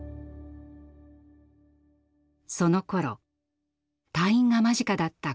そのころ退院が間近だった